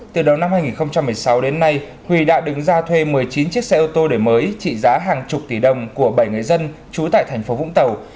từ đầu năm hai nghìn một mươi sáu đến nay huy đã đứng ra thuê một mươi chín chiếc xe ô tô để mới trị giá hàng chục tỷ đồng của bảy người dân trú tại thành phố vũng tàu